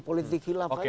politik hilafah ini